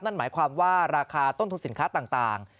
นั่นหมายความว่าราคาต้นทุนสินค้าต่าง